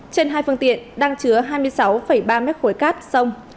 trên hai phương tiện đang chứa hai mươi sáu ba m ba cát sông